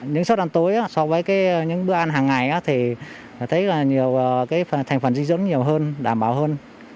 những suất ăn tối so với những bữa ăn hàng ngày thì thấy thành phần dinh dẫn nhiều hơn đảm bảo hơn